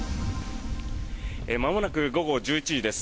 まもなく午後１１時です。